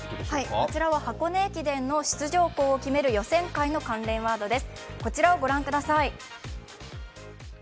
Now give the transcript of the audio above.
こちらは箱根駅伝の出場校を決める予選会のタイムワードです。